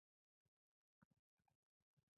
کېله د سرطان ضد انتياکسیدان لري.